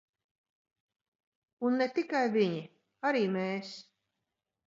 Un ne tikai viņi, arī mēs.